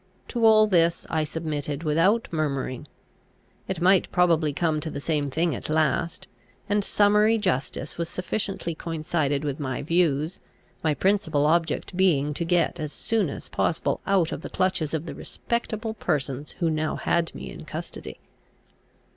To all this I submitted without murmuring. It might probably come to the same thing at last; and summary justice was sufficiently coincident with my views, my principal object being to get as soon as possible out of the clutches of the respectable persons who now had me in custody.